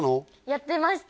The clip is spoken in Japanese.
やってました